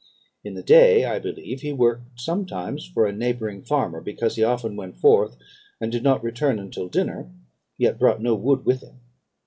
In the day, I believe, he worked sometimes for a neighbouring farmer, because he often went forth, and did not return until dinner, yet brought no wood with him.